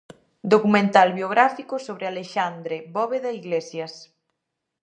Documental biográfico sobre Alexandre Bóveda Iglesias.